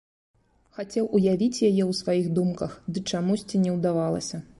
Хацеў уявіць яе ў сваіх думках, ды чамусьці не ўдавалася.